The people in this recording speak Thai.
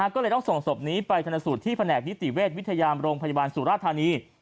ก็เลยต้องส่งศพนี้ไปชนสูตรที่แผนกนิติเวชวิทยามโรงพยาบาลสุราธานี